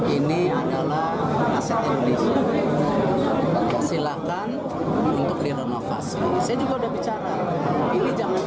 ini adalah aset indonesia silahkan untuk direnovasi saya juga udah bicara pilih jangan